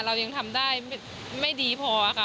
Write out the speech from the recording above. เรายังทำได้ไม่ดีพอค่ะ